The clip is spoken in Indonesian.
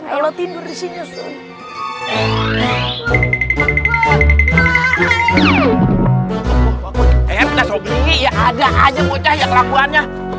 enggak allah tidur disini sun